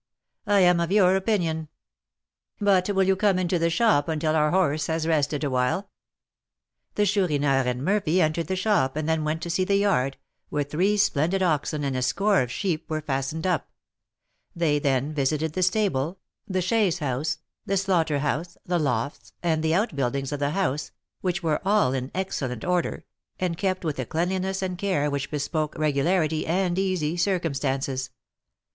"I am of your opinion. But will you come into the shop until our horse has rested awhile?" The Chourineur and Murphy entered the shop, and then went to see the yard, where three splendid oxen and a score of sheep were fastened up; they then visited the stable, the chaise house, the slaughter house, the lofts, and the out buildings of the house, which were all in excellent order, and kept with a cleanliness and care which bespoke regularity and easy circumstances.